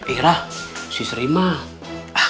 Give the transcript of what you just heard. ira si sri mah